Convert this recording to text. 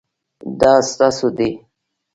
دا ستاسو دی؟